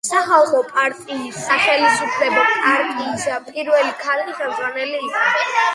სახალხო პარტიის, სახელისუფლებო პარტიის, პირველი ქალი ხელმძღვანელი.